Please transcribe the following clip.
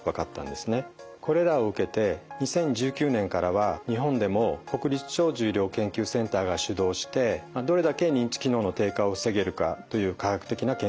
これらを受けて２０１９年からは日本でも国立長寿医療研究センターが主導してどれだけ認知機能の低下を防げるかという科学的な検証が進んでいます。